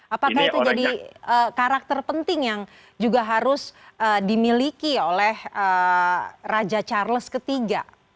apakah itu jadi karakter penting yang juga harus dimiliki oleh raja charles iii